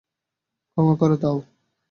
ক্ষমা করে দাও।